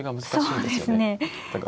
そうですね。